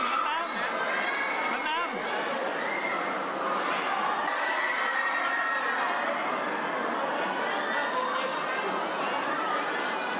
น้องน้องจะพูดหนึ่งนะครับร่างกายสูงรุ่นเสียงแรงนะครับ